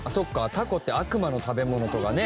タコって、悪魔の食べ物とかね。